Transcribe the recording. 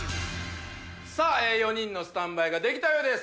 さあ４人のスタンバイができたようです。